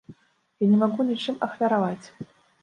Я не магу ні чым ахвяраваць.